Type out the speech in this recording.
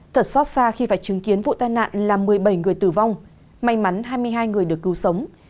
thật xót xa khi phải chứng kiến vụ tai nạn là một mươi bảy người tử vong may mắn hai mươi hai người được cứu sống